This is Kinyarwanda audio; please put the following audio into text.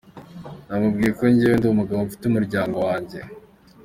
Namubwiye ko njyewe ndi umugabo, mfite umuryango wanjye.